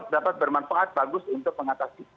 dapat bermanfaat bagus untuk mengatasi